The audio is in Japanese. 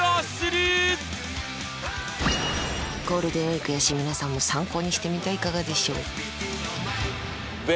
ゴールデンウイークやし皆さんも参考にしてみてはいかがでしょう？